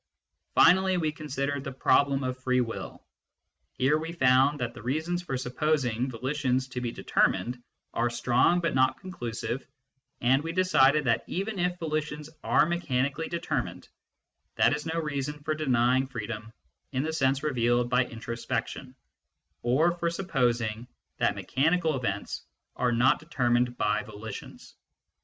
Finally we considered the problem of free will : here we found that the reasons for supposing volitions to be determined are strong but not conclusive, and we decided that even if volitions are mechanically determined, that is no reason for denying freedom in the sense revealed by intro spection, or for supposing that mechanical events are not determined by volitions.